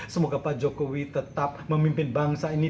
semoga pak jokowi tetap memimpin bangsa ini